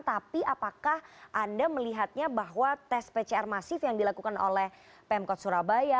tapi apakah anda melihatnya bahwa tes pcr masif yang dilakukan oleh pemkot surabaya